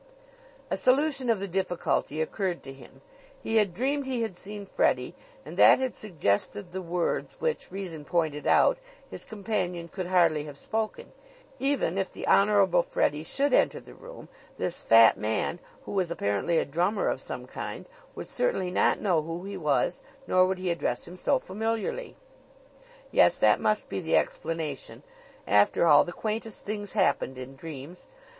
A solution of the difficulty occurred to him: he had dreamed he had seen Freddie and that had suggested the words which, reason pointed out, his companion could hardly have spoken. Even if the Honorable Freddie should enter the room, this fat man, who was apparently a drummer of some kind, would certainly not know who he was, nor would he address him so familiarly. Yes, that must be the explanation. After all, the quaintest things happened in dreams.